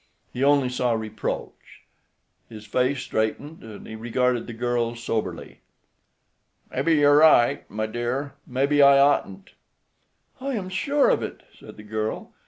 He only saw reproach. His face straightened, and he regarded the girl soberly. "Mebbe you're right, my dear; mebbe I oughtn't." "I am sure of it," said the girl.